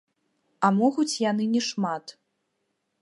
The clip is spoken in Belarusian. А могуць яны не шмат.